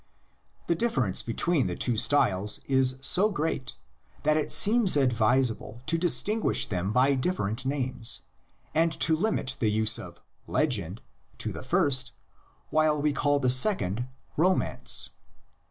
The difference between the two styles is so great that it seems advisable to distinguish them by different names, and to limit the use of "legend" to the first while we call the second "romance."